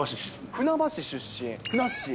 船橋出身、ふなっしー。